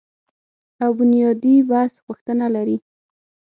او بنیادي بحث غوښتنه لري